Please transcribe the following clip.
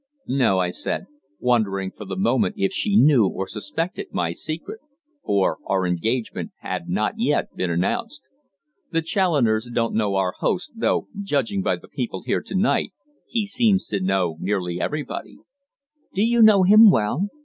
"No," I said, wondering for the moment if she knew or suspected my secret, for our engagement had not yet been announced. "The Challoners don't know our host, though, judging by the people here to night, he seems to know nearly everybody." "Do you know him well?